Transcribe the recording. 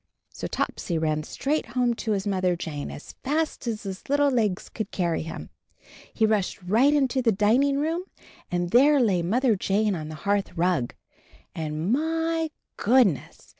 So Topsy ran straight home to his Mother Jane, as fast as his little legs could carry him. He rushed right into the dining room, and there lay Mother Jane on the hearthrug. And, my goodness!